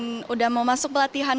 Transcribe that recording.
sudah mau masuk pelatihan